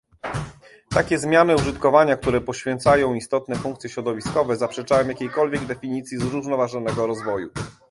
Takie zmiany użytkowania, które poświęcają istotne funkcje środowiskowe, zaprzeczają jakiejkolwiek definicji zrównoważonego rozwoju